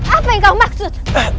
apa yang kau maksud